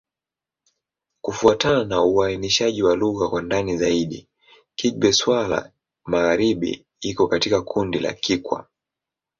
Kufuatana na uainishaji wa lugha kwa ndani zaidi, Kigbe-Xwla-Magharibi iko katika kundi la Kikwa.